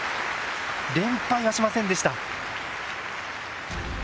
連敗はしませんでした。